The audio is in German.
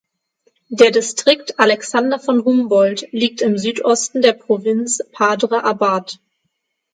Der Distrikt Alexander von Humboldt liegt im Südosten der Provinz Padre Abad.